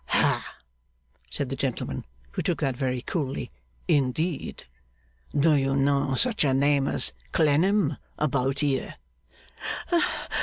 'Hah!' said the gentleman, who took that very coolly. 'Indeed! Do you know such a name as Clennam about here?